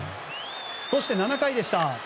そして、７回でした。